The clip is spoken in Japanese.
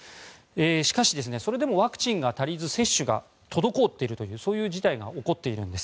しかし、それでもワクチンが足りず接種が滞っているというそういう事態が起こっているんです。